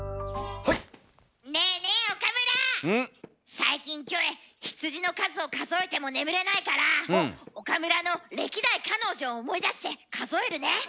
最近キョエ羊の数を数えても眠れないから岡村の歴代彼女を思い出して数えるね！